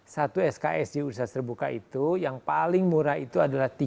satu sks di universitas terbuka itu yang paling murah itu adalah tiga